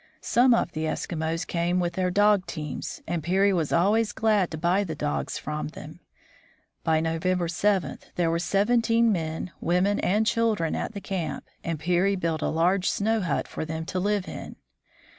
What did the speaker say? Some of the Eskimos came with their dog teams, and Peary was always glad to buy the dogs from them. By November 7 there were seventeen men, women, and children at the camp, and Peary built a large snow hut for them to live in.